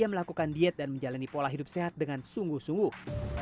melakukan diet dan menjalani pola hidup sehat dengan sungguh sungguh